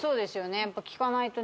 やっぱ聞かないとね